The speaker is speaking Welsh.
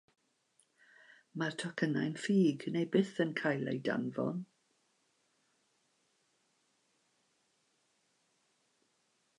Mae'r tocynnau'n ffug, neu byth yn cael eu danfon.